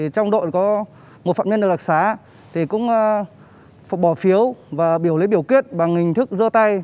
trong đội có một phạm nhân được đặc sá thì cũng bỏ phiếu và biểu lấy biểu kiết bằng hình thức dơ tay